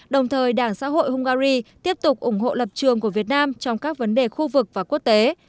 đồng thời đảng xã hội hungary tiếp tục ủng hộ lập trường của việt nam trong các vấn đề khu vực và quốc tế